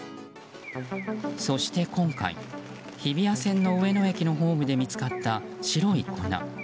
そして今回、日比谷線の上野駅のホームで見つかった白い粉。